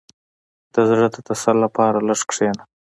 • د زړۀ د تسل لپاره لږ کښېنه.